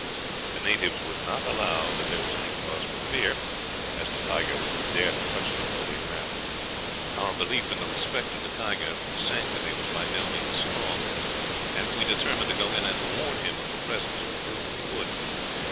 The natives would not allow that there was any cause for fear, as the tiger would not dare to touch so holy a man. Our belief in the respect of the tiger for sanctity was by no means strong, and we determined to go in and warn him of the presence of the brute in the wood.